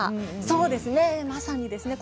そうですねまさにですね